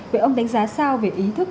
vậy ông đánh giá sao về ý thức